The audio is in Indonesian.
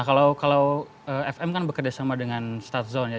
kalau fm kan bekerja sama dengan start zone ya